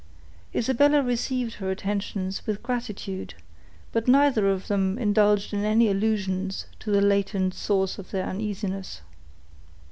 Isabella received her attentions with gratitude, but neither of them indulged in any allusions to the latent source of their uneasiness.